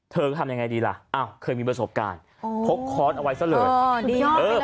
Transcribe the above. เธอก็ทำยังไงดีล่ะเคยมีประสบการณ์พกคอนเอาไว้เสียเลย